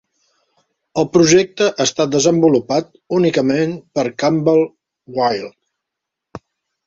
El projecte està desenvolupat únicament per Campbell Wild.